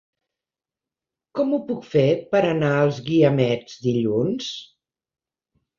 Com ho puc fer per anar als Guiamets dilluns?